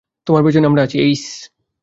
তোমার পেছনে আমরা আছি, এইস।